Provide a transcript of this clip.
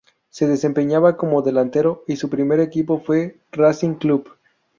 Se desempeñaba como delantero y su primer equipo fue Racing Club.